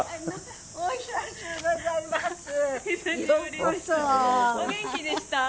お元気でした？